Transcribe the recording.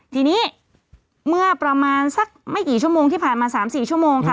ทีนี้เมื่อประมาณสักไม่กี่ชั่วโมงที่ผ่านมา๓๔ชั่วโมงค่ะ